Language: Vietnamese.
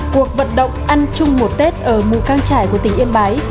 cuộc vận động ăn chung một tết ở mù căng trải của tỉnh yên bái